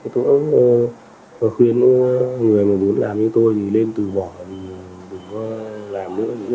tôi khuyên người muốn làm như tôi thì lên từ bỏ đừng có làm nữa